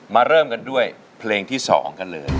เริ่มกันด้วยเพลงที่๒กันเลย